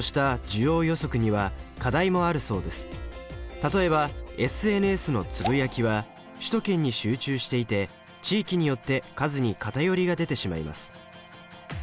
例えばＳＮＳのつぶやきは首都圏に集中していて地域によって数に偏りが出てしまいます。